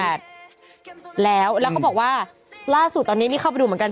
แล้วแล้วเขาบอกว่าล่าสุดตอนนี้นี่เข้าไปดูเหมือนกัน